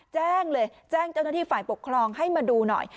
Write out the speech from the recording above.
แจ้งเลยแจ้งเจ้าหน้าที่ฝ่ายปกครองให้มาดูหน่อย